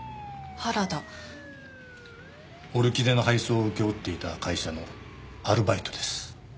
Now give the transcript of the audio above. オルキデの配送を請け負っていた会社のアルバイトです。